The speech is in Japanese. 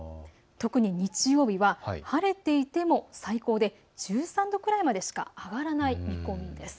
特に日曜日は晴れていても最高で１３度くらいまでしか上がらない見込みです。